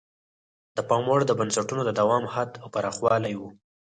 د پام وړ د بنسټونو د دوام حد او پراخوالی وو.